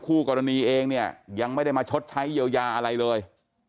คู่กรณีเองเนี่ยยังไม่ได้มาชดใช้เยียวยาอะไรเลย